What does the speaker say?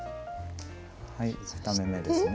はい２目めですね